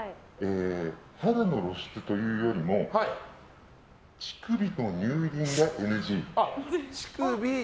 肌の露出というよりも乳首と乳輪がＮＧ。